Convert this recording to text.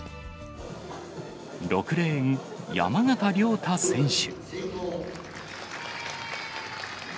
６レーン、山縣亮太選手。